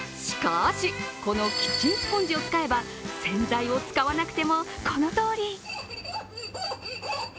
しかし、このキッチンスポンジを使えば洗剤を使わなくても、このとおり。